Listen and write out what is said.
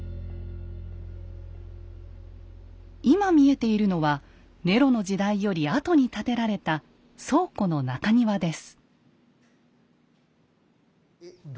今見えているのはネロの時代より後に建てられた倉庫の中庭です。